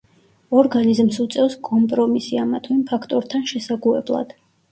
ორგანიზმს უწევს კომპრომისი ამა თუ იმ ფაქტორთან შესაგუებლად.